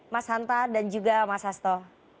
mas hanta dan juga mas hasto